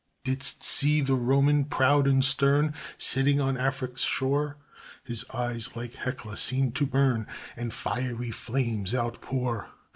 Didst see the Roman, proud and stern, Sitting on Afric's shore? His eyes like Hecla seem to burn, And fiery flames outpour.